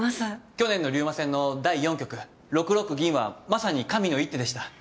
去年の竜馬戦の第４局６六銀はまさに神の一手でした。